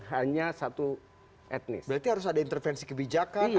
hanya satu etnis berarti harus ada intervensi kebijakan